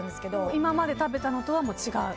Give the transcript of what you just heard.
今まで食べたのとは違う？